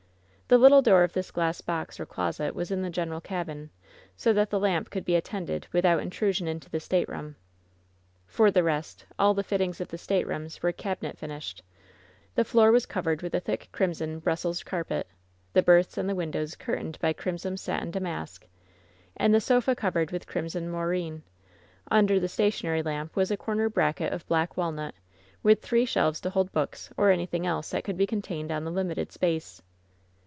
The little door of this glass box or closet was in the general cabin, so that the lamp could be attended without intrusion into the stateroom. For the rest, all the fittings of the staterooms were "cabinet finished"; the floor was cov ered with a thick crimson Brussels carpet; the berths and the windows curtained by crimson satin damask, and the sofa covered with crimson moreen. Under the sta tionary lamp was a corner bracket of black walnut, with three shelves to hold books, or anything else that could be contained on the limited space.